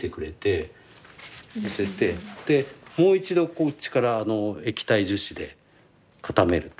もう一度こっちから液体樹脂で固める。